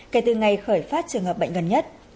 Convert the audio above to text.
kể từ ngày khởi phát trường hợp bệnh gần nhất